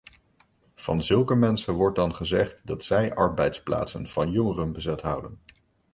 Van zulke mensen wordt dan gezegd dat zij arbeidsplaatsen van jongeren bezet houden.